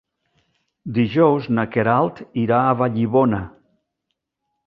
Dijous na Queralt irà a Vallibona.